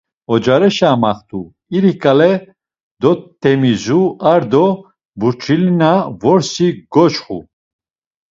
Ocareşa amaxt̆u, iri ǩale dotemizu ar do burç̌ulina vrosi goçxu.